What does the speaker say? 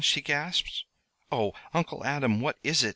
she gasped. "Oh, Uncle Adam, what is it?"